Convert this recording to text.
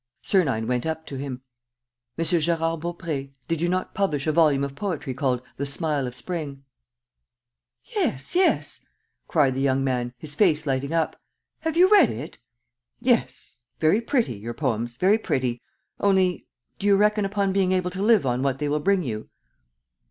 Sernine went up to him. "M. Gérard Baupré, did you not publish a volume of poetry called The Smile of Spring?" "Yes, yes," cried the young man, his face lighting up. "Have you read it?" "Yes. ... Very pretty, your poems, very pretty. ... Only, do you reckon upon being able to live on what they will bring you?"